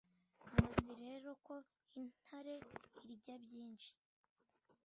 muzi rero ko intare irya byinshi,